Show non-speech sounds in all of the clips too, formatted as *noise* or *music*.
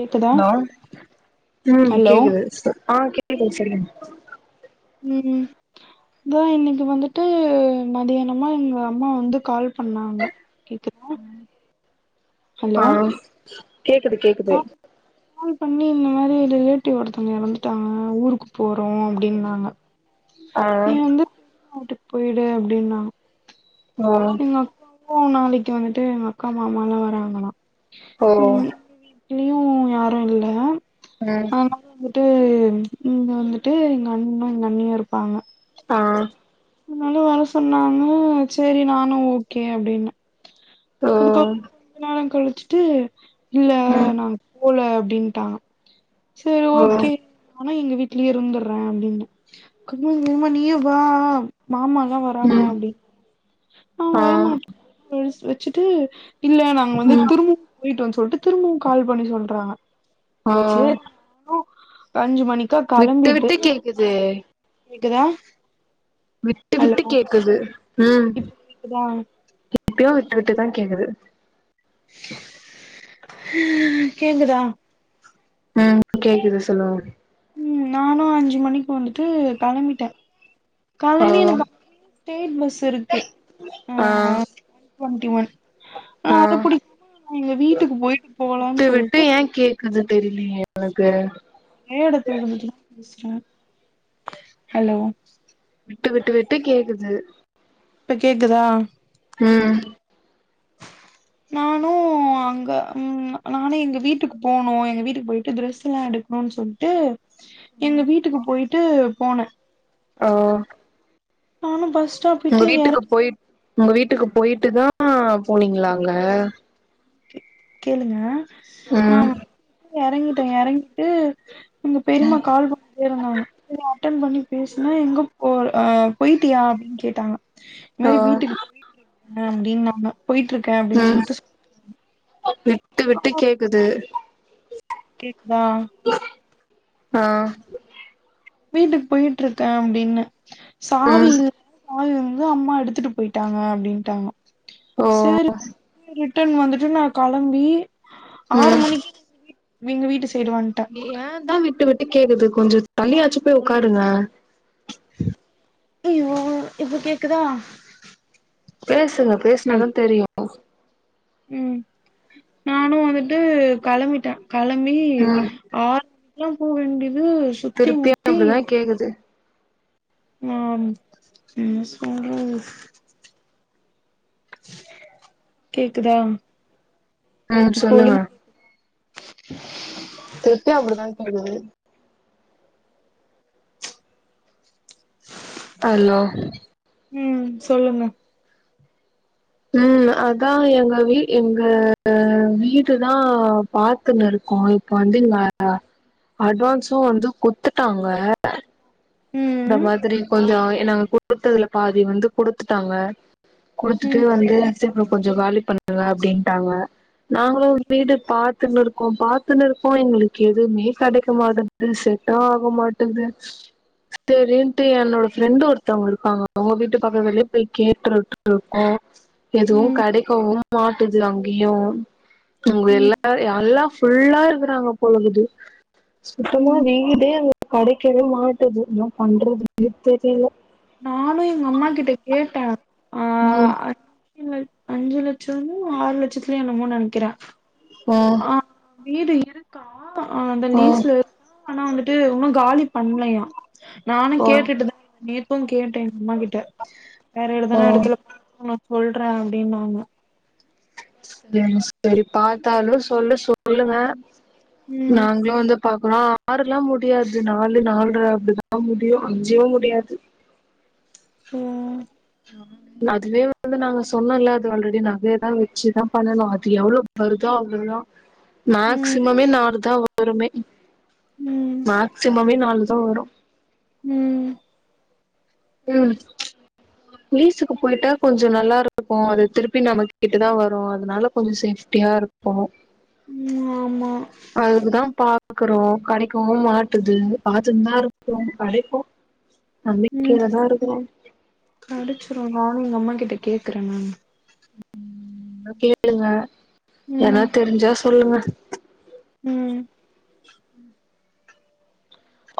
கேக்குதா ஹலோ ம் ஹலோ கேக்குது சொ ஆ கேக்குது சொல்லுங்க ம் அதா இன்னைக்கு வந்துட்டு மதியானமா எங்க அம்மா வந்து கால் பண்ணாங்க கேக்குத்தா ஆ ஹலோ கேக்குது கேக்குது கால் கால் பண்ணி இந்த மாதிரி ரிலேட்டிவ் ஒருத்தவங்க இறந்துட்டாங்க வந்துட்டாங்க ஊருக்கு போறோ அப்டின்னாங்க நீ ஆ வந்து *inaudible* வீட்டுக்கு போயிடு அப்டின்னாங்க ஆ எங்க அக்காவு நாளைக்கு வந்துட்டு எங்க அக்கா மாமாலா வராங்களா ஓ இங்கியு யாரு இல்ல ம் ஆ வந்துட்டு இங்க வந்துட்டு எங்க அண்ணனு எங்க அண்ணியு இருப்பாங்க ஆ அதனால வர சொன்னாங்க செரி நானு ஓகே அப்டின்னே ஓ அதுக்கப்றோ கொஞ்சோ நேர கழிச்சிட்டு இல்ல ம் நாங்க போல அப்டின்டாங்க செரி ஓ ஓகே நானு எங்க வீட்லயே இருந்தறேன அப்டின்னே கண்மணிவும்னா நீயு வா மாமாலா வராங்க ம் அப்டி அவங்க ஆ வரமாட்ட கொலு வச்சுட்டு இல்ல நாங்க வந்து ம் திருமு போயிட்டுனு சொல்ட்டு திரும்பவு கால் பண்ணி சொல்றாங்க ஆ சேர் *inaudible* அஞ்சு மணிக் விட்டு விட்டு கேக்குது கேக்குதா விட்டு ஹலோ விட்டு கேக்குது ம் இப்ப கேக்குதா இப்பயு விட்டு விட்டுதா கேக்குது கேக்குதா ம் கேக்குது சொல்லுங்க ம் நானு அஞ்சு மணிக்கு வந்துட்டு கிளம்பிட்டே கிளம்பி ஓ எனக் அங்கே ஸ்டேட் பஸ் இருக்கு ஆ ஆ டொண்டி ஒன் ஆ அத பிடிக் *inaudible* எங்க வீட்டுக்கு போய்ட்டு போலா சொல்ட்டு கத தெரிலேயே எனக்கு ஒரே எடத்தல இருந்துட்டு தா பேசுறே ஹலோ விட்டு விட்டு விட்டு கேக்குது இப்ப கேக்குதா ம் நானு ம் அங்க ம் நானே எங்க வீட்டுக்கு போனோ எங்க வீட்டுக்கு போயிட்டு ட்ரெஸ் எல்லா எடுக்கணு சொல்ட்டு எங்க வீட்டுக்கு போய்ட்டு போனே ஆ நானு பஸ் ஸ்டாப் உங்க விட்டு வீட்டுக்கு எற போயிட் உங்க வீட்டுக்கு போயிட்டு தா போனீங்களா அங்க கேளுங்க நா ம் எறங்கிட்ட எறங்கிட்டு எங்க பெரிமா கால் பண்ணிட்டே இருந்தாங்க *unintelligible* அட்டன் பண்ணி பேசுனா எங்க போ ஆ போய்டியா அப்டின் கேட்டாங்க இந்த ஆ மாரி வீட்டுக்கு போயி க அப்டின்னாங்க போய்ட்ருக்கே அப்டின் சொல்ட்டு ட்டு விட்டு கேக்குது கேக்தா ஆ வீட்டுக் போய்ட்ருக்கே அப்டின்ன சாவி ம் இல் சாவி வந்து அம்மா எடுத்துட்டு போயிட்டாங்க அப்டின்ட்டாங்க ஓ சேரி சேரி ரிட்டன் வந்துட்டு நா களம்பி ஆறு ம் மணிக்கி எங்க வீட்டு சைடு வன்ட ஏ தா விட்டு விட்டு கேக்குது கொஞ்ச தள்ளியாச்சி போய் ஒக்காருங்க ஐயோ இப்ப கேக்குதா பேசுங்க ஹல் பேசனாதா தெரிய ம் நானு வந்துட்டு களம்பிட்டே களம்பி ம் ஆறுக்ல்லா போ வேண்டியது சுத்தி திருப்பி முத்தி அப்டிதா கேக்குது நா என்ன சொல்றது கேக்குதா ம் இப்ப சொல்லுங்க ஒழுங்கா திருப்பியு அப்டிதா கேக்குது அலோ ம் சொல்லுங்க ம் அதா எங்க வீ எங்க வீடு தா பாத்துனுருக்கோ இப்ப வந்து இங்க அட்வான்சு வந்து குத்துட்டாங்க இந்த ம் மாதிரி கொஞ்சோ எ நாங்க குடுத்ததுல பாதி வந்து குடுத்துட்டாங்க குடுத்துட்டு ம் வந்து சேரி ப்ரோ கொஞ்ச காலி பண்ணுங்க அப்டின்ட்டாங்க நாங்களு வீடு பாத்துன் இருக்கோ பாத்துன்னு இருக்கோ எங்களுக் எதுமே கெடைக்க மாட்டன் அது செட் ஆக மாட்டங்கது செரின்ட்டு என்னோட ஃப்ரெண்டு் ஒருத்தவுங்க இருக்காங்க அவுங்க வீட்டு பக்கத்லயே போய் கேட்டுட்டு இருக்கோ எதுவு ம் கெடைக்கவு மாட்டுது அங்கியு அவுங்க ம் எல்லாரு எல்லா ஃபுல்லா இருக்குறாங்க போலக்குது சுத்தமா ம் வீடே அங்க கடைக்கவே மாட்டுது என்ன பண்றதுனே தெரியில நானு எங்க அம்மா கிட்ட கேட்ட ஆ ம் அஞ்சு லச்சமோ ஆறு லட்சத்லயோ என்னமோ நெனைக்கிற ம் ஆ வீடு இருக்கா அந்த ஆ லீஸ்ல ஆனா வந்துட்டு உன்னு காலி பண்லையா நானு ஓ கேட்டுட்டுதாருந்த நேத் இப்பவு கேட்ட எங் அம்மா கிட்ட ஆறேழு ஓ தான எடத்துல பாக்கனு சொல்ற அப்டினாங்க செரி செரி பாத்தாலு சொல்லு சொல்லுங்க ம் நாங்ளு வந்து பாக்கலா ஆறுலா முடியாது நாலு நால்ர அப்டிதா முடியு அஞ்சே முடியாது ம் அதுவே வந்து நாங்க சொன்னோல்ல அது ஆல்ரெடி நகய தா வெச்சுதா பண்ணணு அது எவ்ளோ வருதோ அவ்ளோதா ம் மேக்சிமமே நாலு தா வருமே ம் மேக்சிமமே நாலு தா வரு ம் ம் லீஸுக்கு போயிட்டா கொஞ்சோ நல்லாருக்கு அது திருப்பி நம்ம கிட்ட தா வரு அதனால கொஞ்சோ சேஃப்ட்டியா இருக்கு ம் ஆமா அதுக்குதா பாக்றோ கடைக்கவு மாட்டுது பாத்துன்தா ருக்கோ கடைக்கு ம் நம்பிக்கையாதா இருக்குறோ கெடச்சிரு நானு எங்க அம்மா கிட்ட கேக்கற நானு ன்னா கேளுங்க எதனா ம் தெரிஞ்சா சொல்லுங்க ம்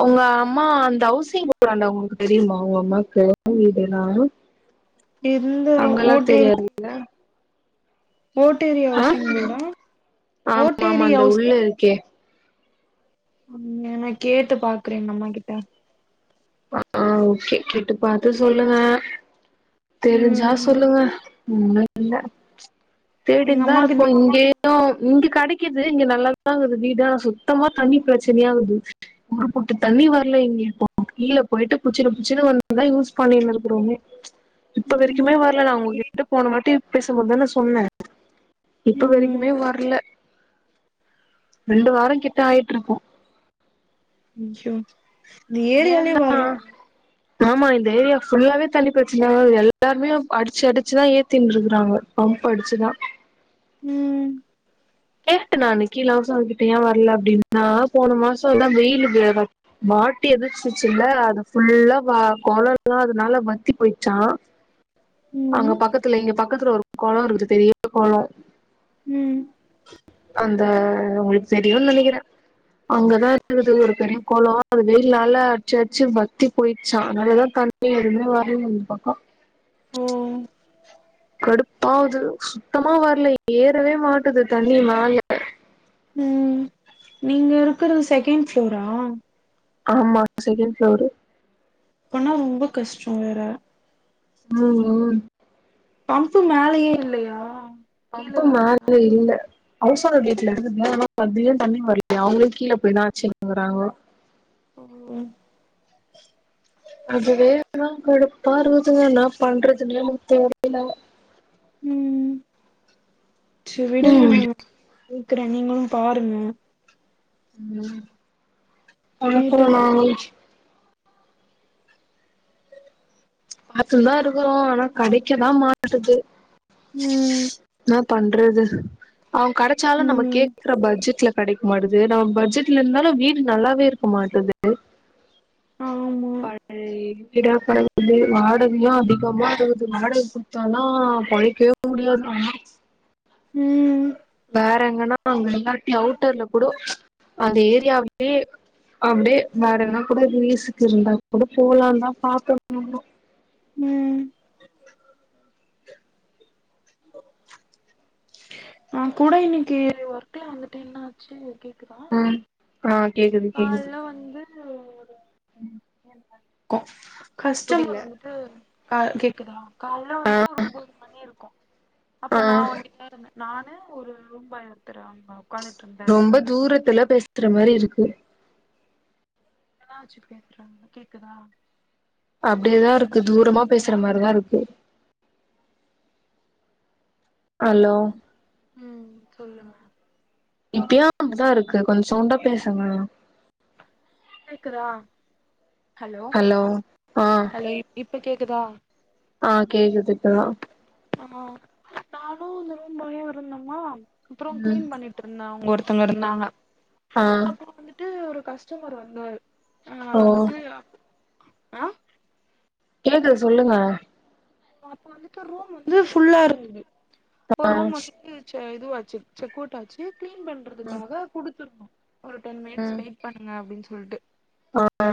உங்க அம்மா அந்த அவுசிங் போடாண்ட உங்களுக்கு தெரியுமா உங்க அம்மாக்கு *inaudible* வீடெல்லா எந்த அங்கல்லா ஓட்டேரி தெரியாதுல்ல ஓட்டேரி ஆ ஹவுசிங் போர்டா ஆம் ஆமா ஓட்டேரி அந்த உள்ள ஹவுசிங் இருக்கே ம் ஏனா கேட்டு பாக்கற எங்க அம்மா கிட்ட ஆ ஓகே கேட்டு பாத்து சொல்லுங்க தெரிஞ்சா ம் சொல்லுங்க ஒன்னு இல்ல எங்க தேடின்தா அம்மாக்கு ருக்கோ இந்த இங்கே *unintelligible* இங்க கடைக்கிது இங்க நல்லாதான்குது வீடு ஆனா சுத்தமா தண்ணி ப்ரச்சனையாகுது ஒரு பொட்டு தண்ணி வர்ல இங்க இப்போ கீழ போயிட்டு புச்சினு புச்சினு வந்து தா யூஸ் பண்ணினு ருக்குறோமே இப்ப வரிக்குமே வர்ல நா உங்ககிட்ட போன வாட்டி பேசம்போதுதான சொன்ன இப்ப ம் வரைக்குமே வர்ல ரெண்டு வாரோ கிட்ட ஆயிட்ருக்கு *unintelligible* ஏரியாலே ஏன்னா வரல ஆமா இந்த ஏரியா ஃபுல்லாவே தண்ணி ப்ரச்சன எல்லாருமே அடிச்சு அடிச்சுதா ஏத்தின்ருக்கறாங்க பம்ப் அடிச்சுதா ம் கேட்ட நா அன்னக்கி கீழ ஹவுஸ்ஓனர் கிட்ட ஏன் வர்ல அப்டின்னா போன மாசோந்தா வெயிலு வாட்டி எதச்சுச்சுல்ல அத ஃபுல்லா வா கொளொல்லா அதனால வத்தி போய்ட்ச்சா அங்க ம் பக்கத்துல எங்க பக்கத்துல ஒரு கொளொ இருக்குது பெரிய கொளொ ம் அந்த உங்களுக் தெரியு நெனக்கிற அங்கதா இருக்குது ஒரு பெரிய கொளொ அது வெயில் னால அட்ச்சு அட்ச்சு வத்தி போயிட்ச்சா அதனாலதா தண் எதுமே வரலய இந்த பக்கோ ஓ கடுப்பாவுது சுத்தமா வரல ஏறவே மாட்டுது தண்ணி மேல ம் நீங்க இருக்றது செகண்ட் ஃப்ளோரா ஆமா செகண்ட் ஃப்ளோரு அப்பனா ரொம்ப கஷ்டோ வேற ஆமா பம்பு மேலயே இல்லயா பம்பு மேல இல்ல ஹவுஸ் ஓனர் வீட்லருந்து மேலலா *unintelligible* தண்ணி வரலயா அவுங்களு கீழ போய் தா அச்சுனு வராங்களா ஓ அதுவே இன்னு கடுப் பா *unintelligible* என்னா பணறதுனே எனக்கு தெரில ம் சரி விடுங்க நா ம் கேக்கறே நீங்களு பாருங்க ம் கேட்டு உனக்கொரு லாங்வேஜ் பாத்துன் தா இருக்குறோ ஆனா கெடைக்கதா மாட்டுது ம் என்னா பண்றது அ கெடச்சாலு நம்ம ம் கேக்ற பட்ஜெட்ல கெடைக்க மாட்டுது நம்ம பட்ஜெட்ல இருந்தாலு வீடு நல்லாவே இருக்க மாட்டுது ஆம ம் *unintelligible* வந்து வாடகையு அதிகமா இருக்குது வாடக குத்தாதா பொழைக்கவே முடியாது ஆமா ம் வேற எங்கனா அங்க இல்லாட்டி அவுட்டர்ல கூட அந்த ஏரியாவுலயே அப்டியே வேற எதுனா கூட லீசுக்கு இருந்தா கூட போலான் தா பாத்தன் *unintelligible* ம் நா கூட இன்னிக்கி ஒர்க்கில வந்துட்டு என்னா ச்சு கேக்குதா ஆ ஆ கேக்குது கேக்குது கால்ல வந்து து ஒரு கஷ்டமரு புரில வந்து ட்டு கா கேக்குதா கால்ல ஆ வந்துட்டு ஒரு உம்போது மணி இருக்கு அப்போ ஆ நா ஒன்டியாதா இருந்த நானு ஒரு ரூம் பாய் ஒருத்தரு வந்தா ரொம்ப தூரத்துல பேசுற மாரி இருக்கு தா வெச்சு பேசுறே கேக்குதா அப்டியேதாருக்கு தூரமா பேசுற மாரிதா இருக்கு ஹலோ ம் சொல்லுங் இப்பயு அப்டிதா இருக்கு கொஞ் சவுண்டா பேசுங்ளே கேக்குதா ஹலோ ஆ ஹலோ இப்ப கேக்குதா ஆ கேக்குது இப்பதா ஆ நானு இந்த ரூம்பாயு இருந்தோமா அப்புறோ ம் க்ளீன் பண்ணிட் ட்ருந்த அவுங்க ஒருத்தவங்க இருந்தாங்க ஆ அப்புற வந்துட்டு ஒரு கஸ்டமரு வந்தாரு நா ஓ வந்துட்டு ஆ கேக்குது சொல்லுங்க அப்ப வந்துட்டு ரூம் வந்து ஃபுல்லா இருந்தது ஒரு ரூம் வந்து ட்டு செ இதுவாச்சு செக்கவுட்டாச்சு க்ளீன் ம் பண்றதுக்காக குடுத்திருந்தோ ஒரு டென் மினிட்ஸ் ம் வெயிட் பண்ணுங்க அப்டின் சொல்ட்டு ஆ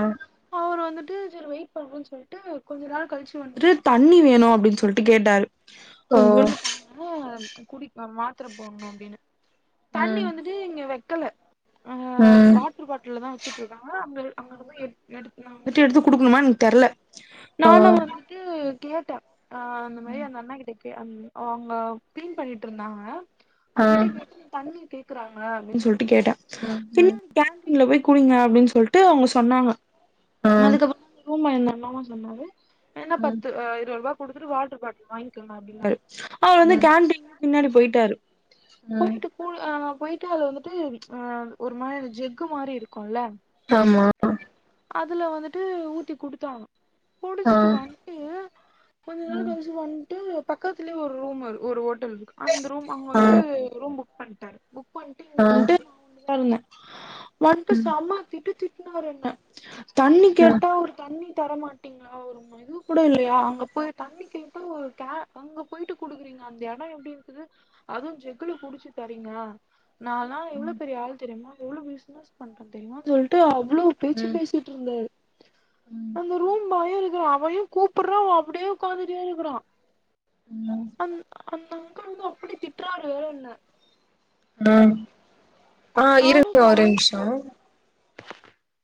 ப்போ அவுரு வந்துட்டு செரி வெயிட் பண்ணுன் சொல்ட்டு கொஞ்ச நேர கழிச்சு வந்துட்டு தண்ணி வேணு அப்டின் சொல்ட்டு கேட்டாரு ஓ கொஞ்சுன்டு தாங்க அ குடி மாத்திர போட்ணு அப்டினு தண்ணி ம் வந்துட்டு இங்க வெக்கல ஆ ம் வாட்ரு பாட்டில் தா வெச்சுட்ருக்காங்க அங்க அவங்கங்க போய் எ எடுல் நா வந்துட்டு நா வந்துட்டு எடுத்து குடுக்கணுமான் தெர்ல ஓ நானு வந்ட்டு கேட்ட அ அந்த மாரி ம் அந்த அண்ணா கிட்ட கே அவுங்க க்ளீன் பண்ணிட்டு இருந்தாங்க ஆ அவுங்கிட்ட கேட்ட தண்ணி கேக்குறாங்க அப்டின் சொல்ட்டு கேட்டே ம் ம் கேண்டீன்ல போய் குடிங்க அப்டின் சொல்ட்டு அவுங்க சொன்னாங்க ஆ அதுக்கப்புறமா ரூம்ம இந்த அண்ணாவு சொன்னாரு வேணா ம் பத்து அ இருவர்பா குடுத்துட்டு வாட்ரு பாட்டில் வாய்ங்கிங்க அப்டின்னாரு அவுர் வந்து ம் கேன்டீன் பின்னாடி போய்ட்டாரு ம் போய்ட்டு போ அ போய்ட்டு அது வந்துட்டு அ ஒரு மாரி ஜெக்கு மாரி இருக்குல ஆமா அதுல வந்துட்டு ஊத்தி குடுச்சாரா ஆ குடிச்சிட்டு வ கொஞ்ச நேர ம் கழிச்சு வந்ட்டு பக்கத்திலே ஒரு ரூம் இரு ஒரு ஹோட்டல் இருக்கு அந்த ரூம் அங்க ஆ வந்ட்டு ரூம் புக் பண்ட்டாரு புக் பண்ட்டு இங்க ஆ வந்ட்டு நா ஒன்டிதா இருந்தே வந்ட்டு ம் சம்ம திட்டு திட்னாரு என்ன தண்ணி ஆ கேட்டா ஒரு தண்ணி தரமாட்டீங்களா ஒரு ம் இது கூட இல்லயா அங்க போய் தண்ணி கேட்டு ஒரு கே அங்க போய்ட்டு குடுக்குறீங்க அந்த எடோ எப்டி இருக்குது அது ஜெக்குல புடிச்சு தரீங்க நாலா எவ்ளோ ம் பெரிய ஆள் தெரியுமா எவ்ளோ பிஸ்னஸ் பண்றே தெரியுமானு சொல்ட்டு அவ்ளோ பேச்சு ம் பேசிட் ருந்தாரு அந்த ரூம் பாயு இருக்கறா அவன்யு கூப்பிற்ற அவ அப்படியே உக்காந்துட்டியே இருக்கிறா ம் அ அந்த அங்கிள் வந்து அப்டி திட்றாறு வேற என்ன ம் ஆ நானும் இருக்குங்க சா ஒரே நமிஷ